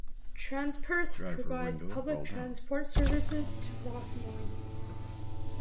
Transperth provides public transport services to Rossmoyne.